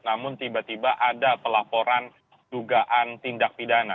namun tiba tiba ada pelaporan dugaan tindak pidana